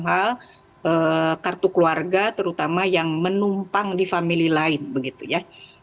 hal kartu keluarga terutama yang menumpang di family lain begitu ya